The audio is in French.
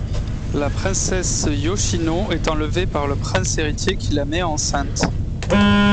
La princesse Yoshino est enlevée par le prince héritier qui la met enceinte.